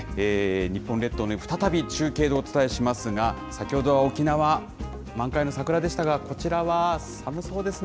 日本列島を再び中継でお伝えしますが、先ほどは沖縄、満開の桜でしたが、こちらは寒そうですね。